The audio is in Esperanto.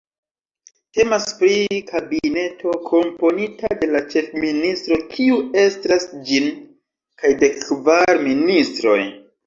Temas pri kabineto komponita de la Ĉefministro, kiu estras ĝin, kaj dekkvar ministroj.